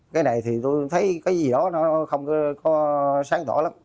cái này thì tôi thấy cái gì đó nó không có sáng tỏa lắm